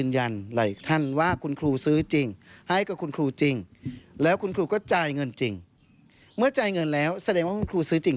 มันหายากซึ่งเป็นเลข๗๒๖๕๓๓๗๒๖